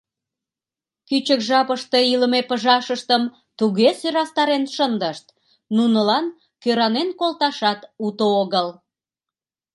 Кӱчык жапыште илыме пыжашыштым туге сӧрастарен шындышт, нунылан кӧранен колташат уто огыл.